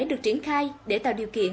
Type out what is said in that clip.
được triển khai để tạo điều kiện